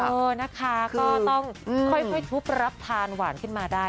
เออนะคะก็ต้องค่อยทุบรับทานหวานขึ้นมาได้